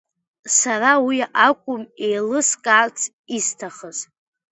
Сара уи акәым еилыскаарц исҭахыз.